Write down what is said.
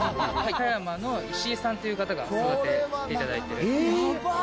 葉山の石井さんという方が育てていただいてる。